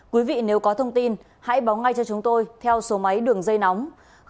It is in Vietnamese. quý vị nếu có thông tin hãy báo ngay cho chúng tôi theo số máy đường dây nóng